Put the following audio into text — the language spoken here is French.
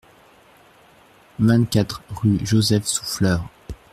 vingt-quatre rue Joseph Souffleur